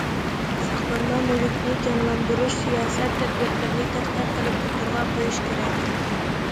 ساقلانما مۈلۈكنى جانلاندۇرۇش سىياسەت تەدبىرلىرىنى تەتقىق قىلىپ ئوتتۇرىغا قويۇش كېرەك.